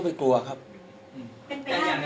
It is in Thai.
คุณพูดไว้แล้วตั้งแต่ต้นใช่ไหมคะ